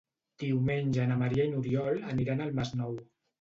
Diumenge na Maria i n'Oriol aniran al Masnou.